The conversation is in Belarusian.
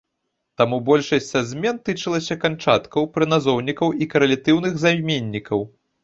Таму большасць са змен тычыліся канчаткаў, прыназоўнікаў і карэлятыўных займеннікаў.